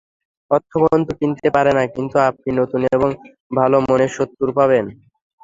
অর্থ বন্ধু কিনতে পারে না, কিন্তু আপনি নতুন এবং ভালো মানের শত্রু পাবেন।